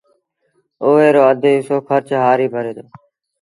اُئي رو اڌ هسو کرچ هآريٚ ڀري دو